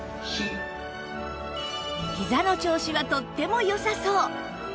ひざの調子はとっても良さそう